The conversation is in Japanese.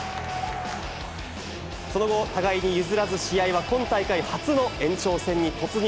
その後、互いに譲らず試合は今大会初の延長戦に突入。